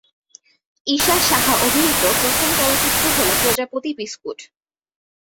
ইশা সাহা অভিনীত প্রথম চলচ্চিত্র হল প্রজাপতি বিস্কুট।